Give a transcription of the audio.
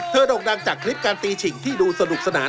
โด่งดังจากคลิปการตีฉิงที่ดูสนุกสนาน